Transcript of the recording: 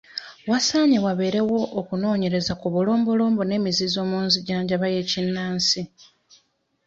Wasaanye wabeerewo okunoonyereza ku bulombolombo n'emizizo mu nzijanjaba y'ekinnansi.